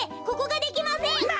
ここができません！